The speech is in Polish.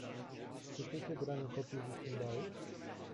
"Słyszycie granie kotłów i cymbałów?"